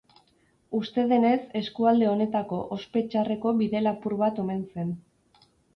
Uste denez eskualde honetako ospe txarreko bide-lapur bat omen zen.